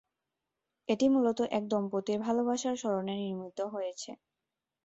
এটি মূলত এক দম্পতির ভালোবাসার স্মরণে নির্মিত হয়েছে।